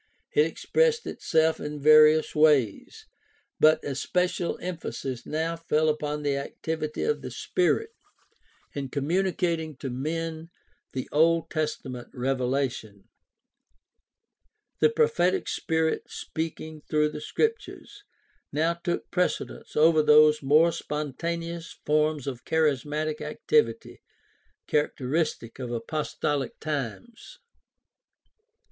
2:2; I John 2:20). It expressed itself in various ways, but especial emphasis now fell upon the activity of the Spirit in communicating to men the Old Testament revelation. The prophetic Spirit speak ing through the Scriptures now took precedence over those more spontaneous forms of charismatic activity characteristic of apostolic times.